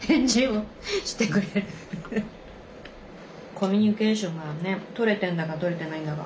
コミュニケーションがねとれてんだかとれてないんだか。